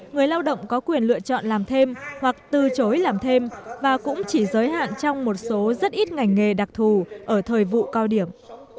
người lao động có quyền lựa chọn làm thêm hoặc từ chối làm thêm và cũng chỉ giới hạn trong một số rất ít ngành nghề đặc thù ở thời vụ cao điểm